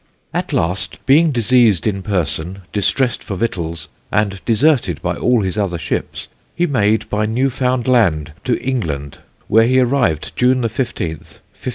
"At last, being diseased in person, distressed for victuals, and deserted by all his other ships, he made by New found land to England, where he arrived June 15, 1597.